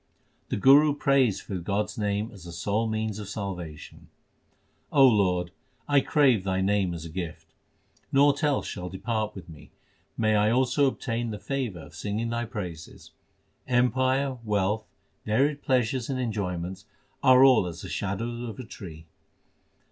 The Guru prays for God s name as the sole means of salvation : O Lord, I crave Thy name as a gift ; Naught else shall depart with me ; may I also obtain the favour of singing Thy praises ! Empire, wealth, varied pleasures and enjoyments are all as the shadow of a tree.